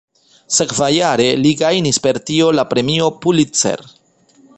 Sekvajare li gajnis per tio la Premio Pulitzer.